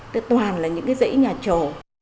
cái toàn là những cái dãy nhà trổ